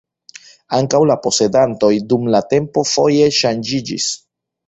Ankaŭ la posedantoj dum la tempo foje ŝanĝiĝis.